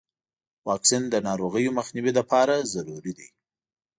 واکسین د ناروغیو مخنیوي لپاره ضروري دی.